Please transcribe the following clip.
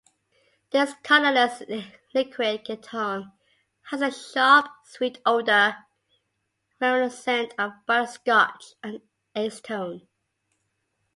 This colorless liquid ketone has a sharp, sweet odor reminiscent of butterscotch and acetone.